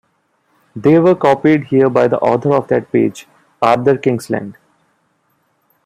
They were copied here by the author of that page, Arthur Kingsland.